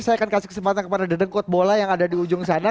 saya akan kasih kesempatan kepada dedeng kutbola yang ada di ujung sana